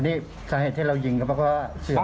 อันนี้สาเหตุที่เรายิงก็เพราะว่าเสื่อมัน